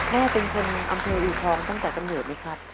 แม่เป็นคนอำเภออูทองตั้งแต่กำเนิดไหมครับ